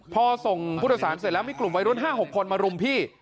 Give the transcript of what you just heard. พ่อส่งพุทธศาลเสร็จแล้วมีกลุ่มวัยร่วมห้าหกคนมารุมพี่